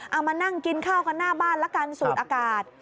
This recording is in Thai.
เอามานั่งกินข้าวกันหน้าบ้านละกันสูดอากาศ